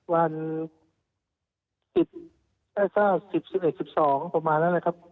วัน๑๐๙๐๑๑๑๒ประมาณนั้นนะครับ